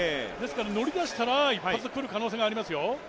乗り出したら一発来る可能性がありますよ。